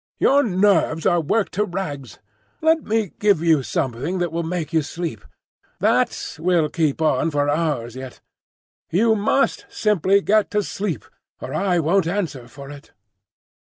Your nerves are worked to rags. Let me give you something that will make you sleep. That—will keep on for hours yet. You must simply get to sleep, or I won't answer for it."